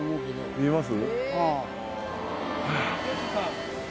見えます？